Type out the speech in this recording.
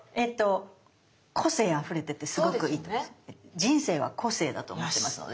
人生は個性だと思ってますので。